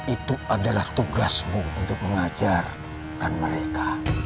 itu adalah tugasmu untuk mengajarkan mereka